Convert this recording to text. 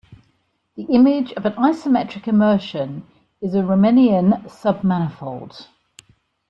The image of an isometric immersion is a Riemannian submanifold.